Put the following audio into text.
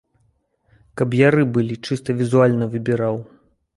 Каб яры былі, чыста візуальна выбіраў.